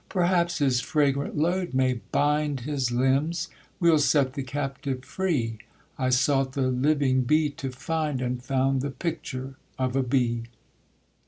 Perhaps his fragrant load may bind His limbs; we'll set the captive free I sought the LIVING BEE to find, And found the PICTURE of a BEE.